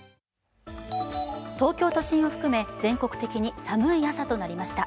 東京都心を含め全国的に寒い朝となりました。